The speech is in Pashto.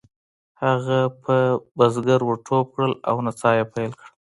هغه په بزګر ور ټوپ کړل او نڅا یې پیل کړه.